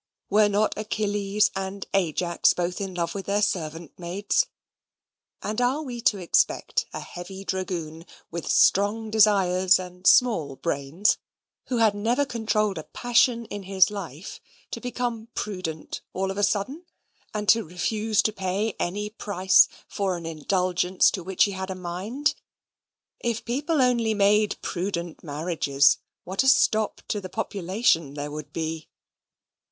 Were not Achilles and Ajax both in love with their servant maids? And are we to expect a heavy dragoon with strong desires and small brains, who had never controlled a passion in his life, to become prudent all of a sudden, and to refuse to pay any price for an indulgence to which he had a mind? If people only made prudent marriages, what a stop to population there would be!